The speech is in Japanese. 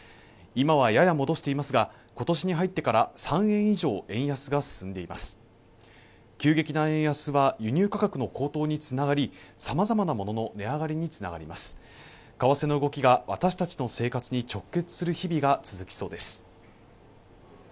今はやや戻していますが今年に入ってから３円以上円安が進んでいます急激な円安は輸入価格の高騰につながり様々な物の値上がりにつながります為替の動きが私たちの生活に直結する日々が続きそうです